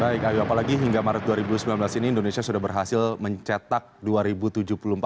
baik ayu apalagi hingga maret dua ribu sembilan belas ini indonesia sudah berhasil mencetak dua ribu tujuh puluh empat